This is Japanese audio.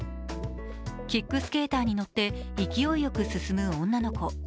キックスケーターに乗って勢いよく進む女の子。